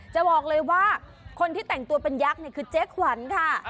จะบอกเลยว่าคนที่แต่งตัวเป็นยักษ์เนี่ยคือเจ๊ขวัญค่ะ